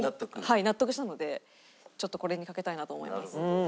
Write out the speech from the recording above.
はい納得したのでちょっとこれに賭けたいなと思います。